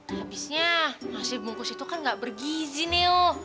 habisnya nasi bungkus itu kan nggak bergizi neo